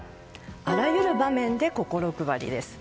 あらゆる場面で心配りです。